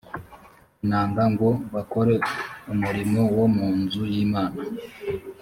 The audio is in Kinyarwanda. inanga ngo bakore umurimo wo mu nzu y imana